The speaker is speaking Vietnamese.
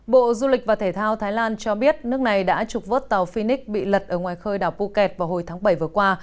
bộ du lịch và thể thao thái lan cho biết nước này đã trục vớt tàu phinik bị lật ở ngoài khơi đảo puket vào hồi tháng bảy vừa qua